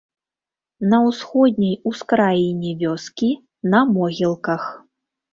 На ўсходняй ускраіне вёскі, на могілках.